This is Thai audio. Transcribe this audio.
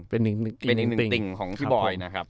เป็นอีกหนึ่งติ่งของพี่บอยนะครับ